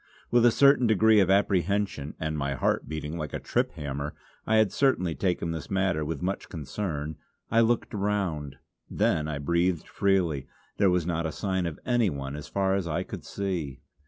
With a certain degree of apprehension, and my heart beating like a trip hammer I had certainly taken this matter with much concern I looked around. Then I breathed freely; there was not a sign of anyone as far as I could see.